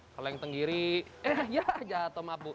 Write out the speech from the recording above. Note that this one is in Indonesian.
kalau yang tenggiri eh ya jatuh mabuk